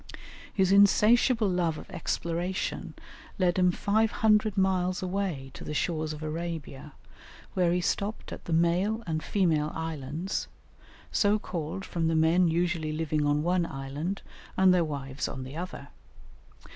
His insatiable love of exploration led him 500 miles away to the shores of Arabia, where he stopped at the Male and Female Islands, so called from the men usually living on one island, and their wives on the other.